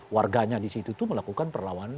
warganya di situ itu melakukan perlawanan